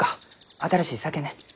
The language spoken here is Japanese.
新しい酒ね。